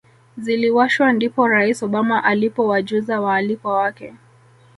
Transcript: ziliwashwa ndipo Rais Obama alipowajuza waalikwa wake